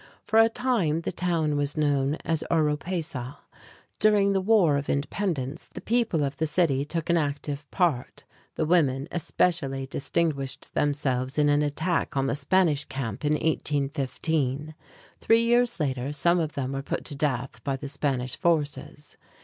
For a time the town was known as Oropesa (o ro pay´sah). During the war of independence, the people of the city took an active part; the women especially distinguished themselves in an attack on the Spanish camp in 1815. Three years later some of them were put to death by the Spanish forces.